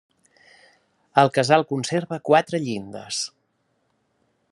El casal conserva quatre llindes.